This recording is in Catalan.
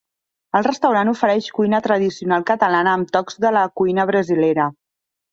El restaurant ofereix cuina tradicional catalana amb tocs de la cuina brasilera.